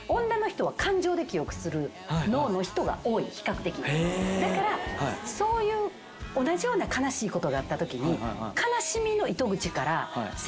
比較的だからそういう同じような悲しいことがあったときに。